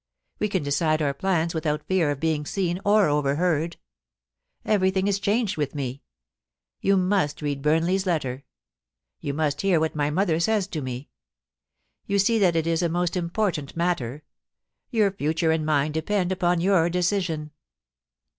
We can decide our plans without fear of being seen or overheard. Everything is changed with me. You must read Bumle/s letter. You must hear what my mother says to me. You see that it is a most important matter. Yoiu* future and mine depend upon your decision.